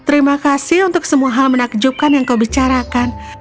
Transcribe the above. terima kasih untuk semua hal menakjubkan yang kau bicarakan